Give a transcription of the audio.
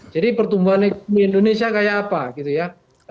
jadi pertumbuhan ekonomi indonesia kayak apa gitu ya